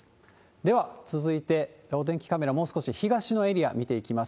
では続いて、お天気カメラ、もう少し東のエリア、見ていきます。